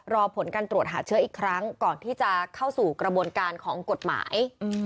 รอผลการตรวจหาเชื้ออีกครั้งก่อนที่จะเข้าสู่กระบวนการของกฎหมาย